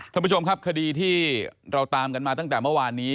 ท่านผู้ชมครับคดีที่เราตามกันมาตั้งแต่เมื่อวานนี้